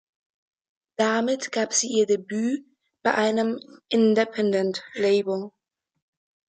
Damit gab sie ihr Debüt bei einem Independent-Label.